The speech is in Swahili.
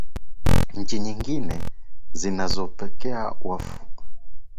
nchi nyingine zinazopokea wafungwa waliohukumiwa na ictr ni ufaransa